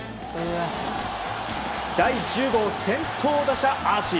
第１０号先頭打者アーチ。